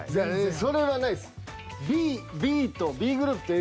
それはないです。